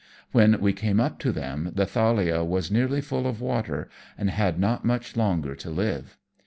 When we came up to them the Thalia was nearly full of water, and had not much longer to live.